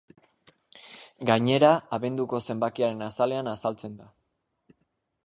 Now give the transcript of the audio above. Gainera, abenduko zenbakiaren azalean azaltzen da.